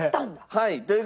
はい。